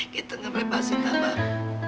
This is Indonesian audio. kita ngebebasin abang